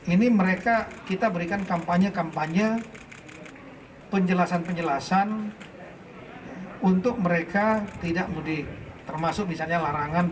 ini mereka kita berikan kampanye kampanye penjelasan penjelasan